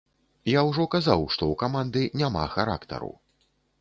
Я ўжо казаў, што ў каманды няма характару.